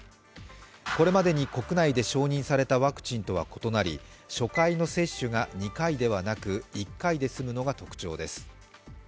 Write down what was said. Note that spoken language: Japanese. これまでに国内で承認されたワクチンとは異なり、初回の接種が２回ではなく１回で済むのが特徴です。